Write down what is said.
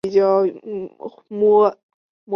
二者之间是两个分局的界线。